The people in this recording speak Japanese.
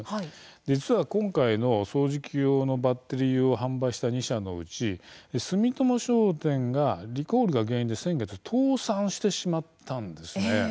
実は今回の掃除機用のバッテリーを販売した２社のうちすみとも商店がリコールが原因で先月、倒産してしまったんですね。